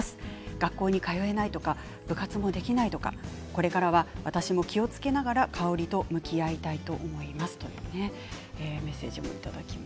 学校に通えないとか部活もできないとかこれからは私も気をつけながら香りと向き合いたいと思いますということです。